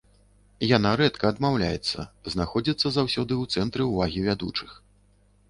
Яна рэдка адмаўляецца, знаходзіцца заўсёды ў цэнтры ўвагі вядучых.